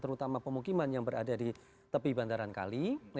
terutama pemukiman yang berada di tepi bandaran kali